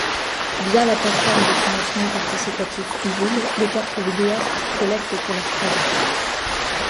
Via la plateforme de financement participatif Ulule, les quatre vidéastes collectent pour leur projet.